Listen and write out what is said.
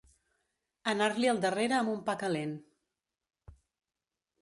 Anar-li al darrere amb un pa calent.